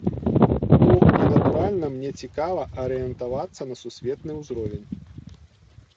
Ну, і натуральна мне цікава арыентавацца на сусветны ўзровень.